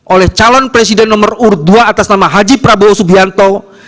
oleh calon presiden nomor urut dua atas nama haji prabowo subianto